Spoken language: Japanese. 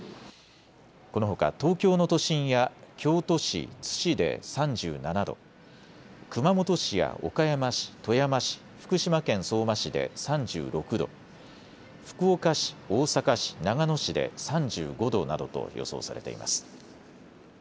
このほか東京の都心や京都市、津市で３７度、熊本市や岡山市、富山市、福島県相馬市で３６度、福岡市、大阪市、長野市で３５度などと予想されています。